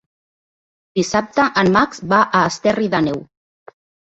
Dissabte en Max va a Esterri d'Àneu.